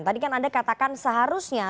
tadi kan anda katakan seharusnya